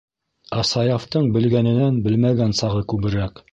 Ә Саяфтың белгәненән белмәгән сағы күберәк.